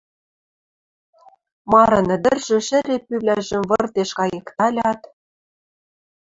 Марын ӹдӹржӹ шӹре пӱвлӓжӹм выртеш кайыкталят: